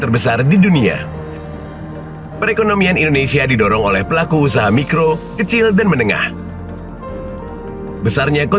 bank indonesia sulawesi selatan